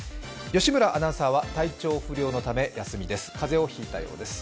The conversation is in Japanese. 吉村アナウンサーは体調不良のためお休みです。